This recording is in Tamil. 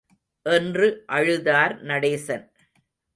என்று அழுதார் நடேசன்.